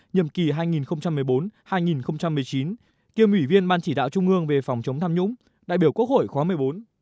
nhiệm kỳ hai nghìn một mươi bốn hai nghìn một mươi chín kiêm ủy viên ban chỉ đạo trung ương về phòng chống tham nhũng đại biểu quốc hội khóa một mươi bốn